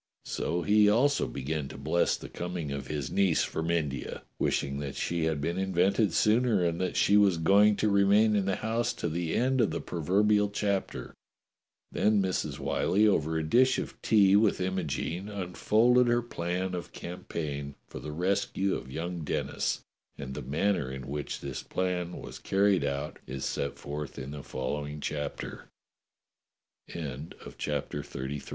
So he also began to bless the coming of his niece from India, wishing that she had been invented sooner and that .she was going to remain in the house to the end of the proverbial chapter. Then Mrs. Whyllie, over a dish of tea with Imogene, unfolded her plan of campaign for the rescue of young Denis, and the manner in which this plan was carried out is set forth in a following